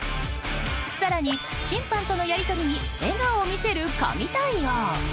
更に、審判とのやり取りに笑顔を見せる神対応。